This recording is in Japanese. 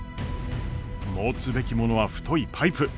持つべきものは太いパイプ！